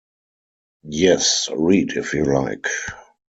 Yes, read if you like.